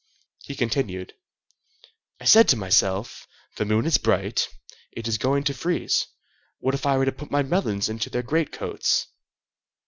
He continued:— "I said to myself, 'The moon is bright: it is going to freeze. What if I were to put my melons into their greatcoats?